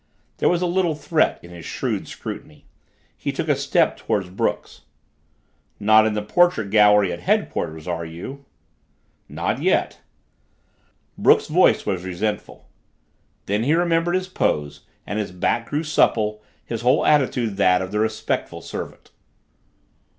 There was a little threat in his shrewd scrutiny. He took a step toward Brooks. "Not in the portrait gallery at headquarters, are you?" "Not yet." Brooks's voice was resentful. Then he remembered his pose and his back grew supple, his whole attitude that of the respectful servant.